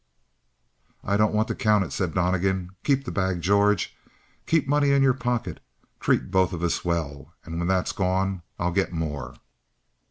"I don't want to count it," said Donnegan. "Keep the bag, George. Keep money in your pocket. Treat both of us well. And when that's gone I'll get more."